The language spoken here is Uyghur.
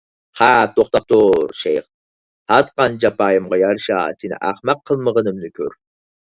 خەپ توختاپتۇر، شەيخ! تارتقان جاپايىمغا يارىشا سېنى ئەخمەق قىلمىغىنىمنى كۆر!